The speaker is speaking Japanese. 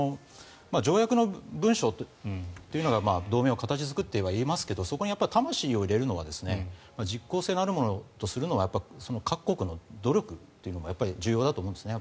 条約の文書というのが同盟を形作ってはいますけどそこにやっぱり魂を入れるのは実効性のあるものとするのは各国の努力というのが重要だと思うんですね。